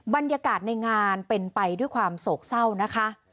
บรรยากาศในงานเป็นไปด้วยความโศกเศร้านะคะ